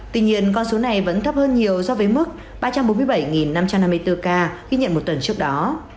tuy nhiên con số này vẫn thấp hơn nhiều so với mức ba trăm bốn mươi bảy năm trăm năm mươi bốn ca ghi nhận một tuần trước đó